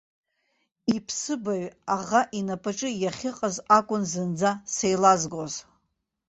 Иԥсыбаҩ аӷа инапаҿы иахьыҟаз акәын зынӡа сеилазгоз.